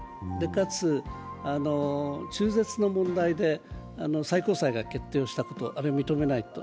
かつ、中絶の問題で最高裁が決定をしたこと、あれは認めないと。